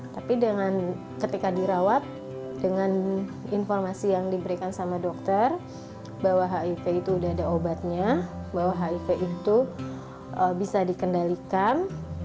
tapi dengan ketika dirawat dengan informasi yang diberikan sama dokter bahwa hiv itu sudah ada obatnya bahwa hiv itu bisa dikendalikan